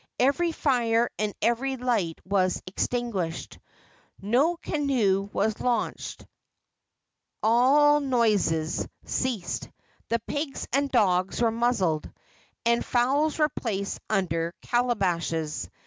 Every fire and every light was extinguished; no canoe was launched; all noises ceased; the pigs and dogs were muzzled, and fowls were placed under calabashes.